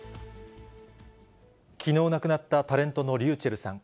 きのう亡くなったタレントのｒｙｕｃｈｅｌｌさん。